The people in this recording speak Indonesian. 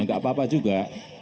enggak apa apa juga